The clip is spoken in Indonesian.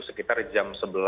sekitar jam sebelas